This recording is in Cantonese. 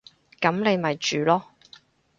噉你咪住囉